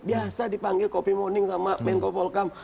biasa dipanggil copy morning sama menko polkam